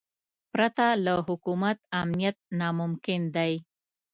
پرته له حکومت امنیت ناممکن دی.